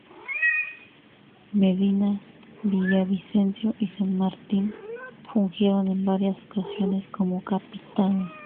Medina, Villavicencio y San Martín fungieron en varias ocasiones como capital.